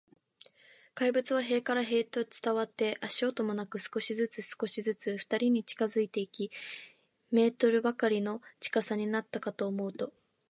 怪物は塀から塀へと伝わって、足音もなく、少しずつ、少しずつ、ふたりに近づいていき、一メートルばかりの近さになったかと思うと、